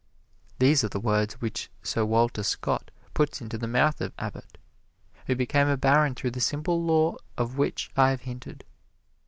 These are the words which Sir Walter Scott puts into the mouth of an Abbot, who became a Baron through the simple law of which I have hinted.